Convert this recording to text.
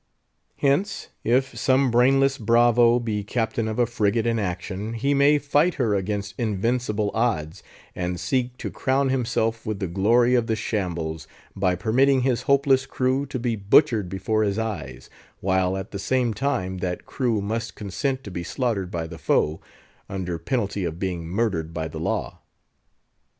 Hence, if some brainless bravo be Captain of a frigate in action, he may fight her against invincible odds, and seek to crown himself with the glory of the shambles, by permitting his hopeless crew to be butchered before his eyes, while at the same time that crew must consent to be slaughtered by the foe, under penalty of being murdered by the law.